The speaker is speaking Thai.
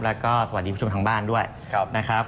แล้วก็สวัสดีผู้ชมทางบ้านด้วยนะครับ